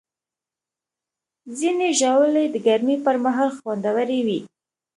ځینې ژاولې د ګرمۍ پر مهال خوندورې وي.